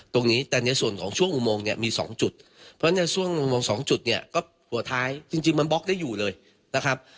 ตรงนี้แต่ในส่วนของช่วงอุโมงเนี่ยมี๒จุดเพราะฉะนั้นช่วงอุโมง๒จุดเนี่ยก็หัวท้ายจริงมันบล็อกได้อยู่เลยนะครับ